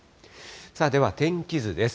では、天気図です。